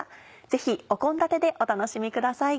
ぜひお献立でお楽しみください。